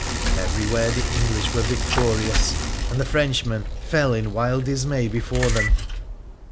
Everywhere the English were vic torious, and the Frenchmen fell in wild dismay before them.